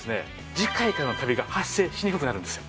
次回からのカビが発生しにくくなるんですよ。